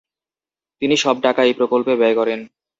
তিনি সব টাকা এই প্রকল্পে ব্যবহার করেন।